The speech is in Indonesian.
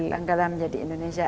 banggalah menjadi indonesia